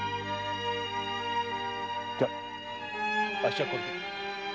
じゃああっしはこれで。